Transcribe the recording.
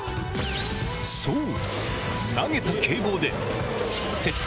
そう！